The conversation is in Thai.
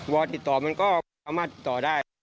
ติดต่อมันก็สามารถติดต่อได้